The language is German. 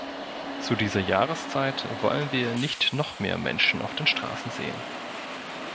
Zu dieser Jahreszeit wollen wir nicht noch mehr Menschen auf den Straßen sehen.